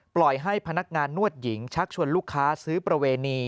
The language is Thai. ปล่อยให้พนักงานนวดหญิงชักชวนลูกค้าซื้อประเวณี